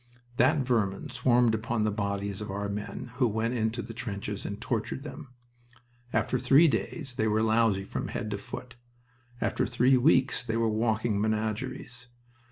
That vermin swarmed upon the bodies of all our boys who went into the trenches and tortured them. After three days they were lousy from head to foot. After three weeks they were walking menageries.